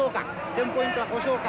テンポイントは故障か？